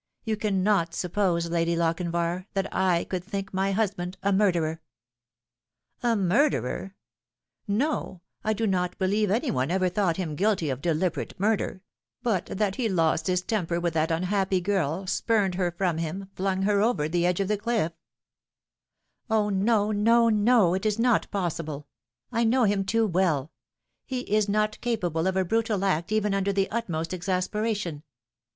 You cannot suppose, Lady Lochinvar, that / could think my husband a murderer ?"" A murderer ? No I I do not believe any one ever thought him guilty of deliberate murder but that he lost his temper with that unhappy girl, spurned her from him, flung her over the edge of the cliff" 282 The Fatal Three. " O, no, no, no I it is not possible ! I know him too welL He is not capable of a brutal act even under the utmost exas peration.